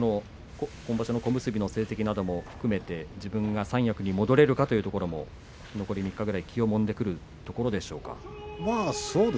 今場所の小結の成績なども含めて自分が三役に戻れるかというところ、残り３日気をもんでいるところでしょうか。